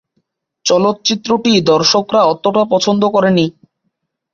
চলচ্চিত্রটি দর্শকরা অতটা পছন্দ করেনি।